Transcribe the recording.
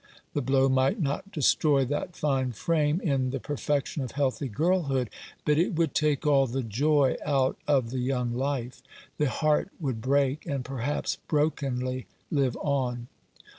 The blow might not destroy that fine frame, in the perfection of healthy girlhood, but it would take all the joy out of the young life. The heart would break, and perhaps brokenly live on.